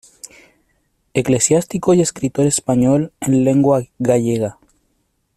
Eclesiástico y escritor español en lengua gallega.